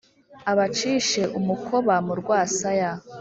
abacishe umukoba mu rwasaya,